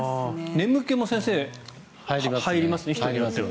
眠気も先生入りますね人によっては。